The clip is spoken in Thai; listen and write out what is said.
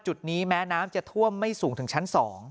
จุดนี้แม้น้ำจะท่วมไม่สูงถึงชั้น๒